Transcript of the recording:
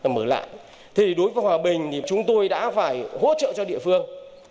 mở lại thì đối với hòa bình thì chúng tôi đã phải hỗ trợ cho địa phương